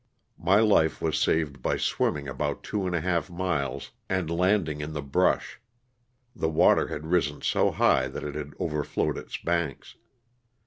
My life was saved by swimming about two and a half miles and landing in the brush (the water had risen so high that it had overflowed its banks).